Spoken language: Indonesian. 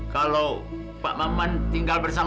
kalau pak maman tinggal bersama